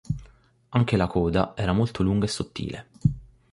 Anche la coda era molto lunga e sottile.